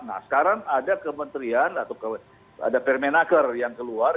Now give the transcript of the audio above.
nah sekarang ada kementerian atau ada permenaker yang keluar